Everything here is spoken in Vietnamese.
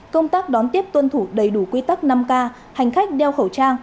công tác đón tiếp tuân thủ đầy đủ quy tắc năm k hành khách đeo khẩu trang